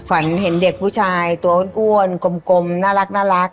ฝันเห็นเด็กผู้ชายตัวอ้วนกลมน่ารัก